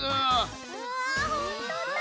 うわほんとうだ！